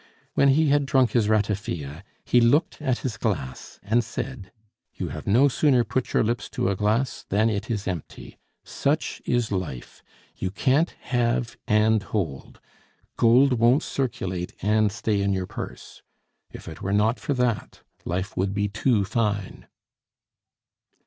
When he had drunk his ratafia, he looked at his glass and said, "You have no sooner put your lips to a glass than it is empty! Such is life. You can't have and hold. Gold won't circulate and stay in your purse. If it were not for that, life would be too fine."